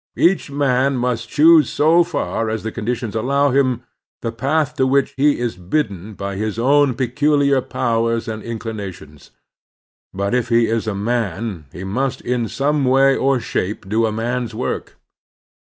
Each man must choose so far as the conditions allow him the path to which he is bidden by his own peculiar powers and inclinations. But if he is a man he must in some way or shape do a man's work.